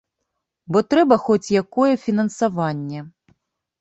Бо трэба хоць якое фінансаванне.